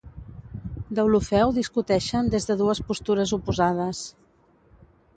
Deulofeu discuteixen des de dues postures oposades.